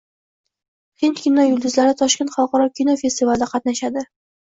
Hind kino yulduzlari Toshkent xalqaro kino festivalida qatnashadi